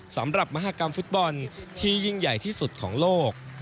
มหากรรมฟุตบอลที่ยิ่งใหญ่ที่สุดของโลก